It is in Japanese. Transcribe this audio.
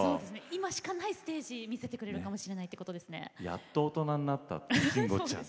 今しかないステージ見せてくれるかもしれないやっと大人になった慎吾ちゃん。